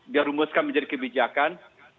dia rumuskan menjadi kebijakan